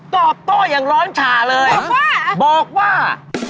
ตอบโต้อย่างร้อนฉ่าเลยบอกว่า